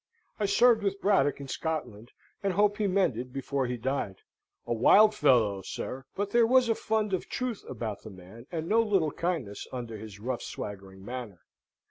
I served with Braddock in Scotland; and hope he mended before he died. A wild fellow, sir, but there was a fund of truth about the man, and no little kindness under his rough swaggering manner.